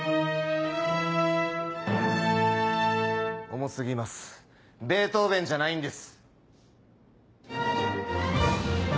重過ぎますベートーベンじゃないんです。